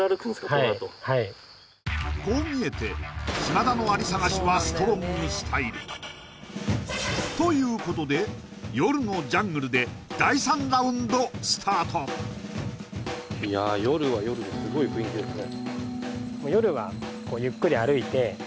このあとはいはいこう見えて島田のアリ探しはストロングスタイルということで夜のジャングルで第３ラウンドスタートんですよね